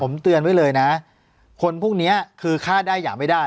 ผมเตือนไว้เลยนะคนพวกนี้คือฆ่าได้อย่างไม่ได้